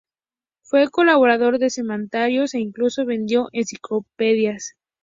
Fue colaborador de semanarios e incluso vendió enciclopedias.